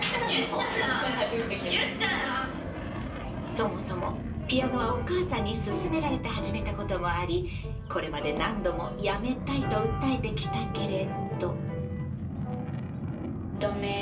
そもそもピアノはお母さんに勧められて始めたこともありこれまで何度もやめたいと訴えてきたけれど。